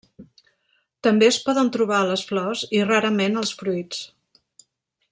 També es poden trobar a les flors i, rarament, als fruits.